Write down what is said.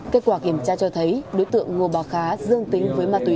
kết quả kiểm tra cho thấy đối tượng ngô bà khá dương tính với ma túy